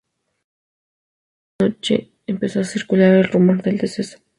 A las ocho de la noche empezó a circular el rumor del deceso.